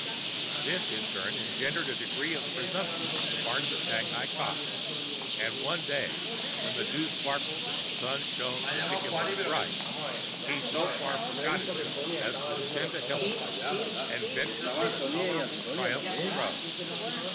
This, in turn, engendered a degree of presumption on the part of the Shanghai cock; and one day, when the dew sparkled and the sun shone peculiarly bright,[Pg 48] he so far forgot himself as to ascend a hillock and venture on a tolerably triumphant crow.